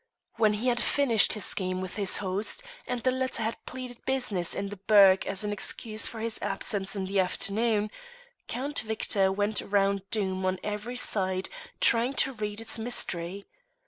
When he had finished his game with his host, and the latter had pleaded business in the burgh as an excuse for his absence in the afternoon, Count Victor went round Doom on every side trying to read its mystery.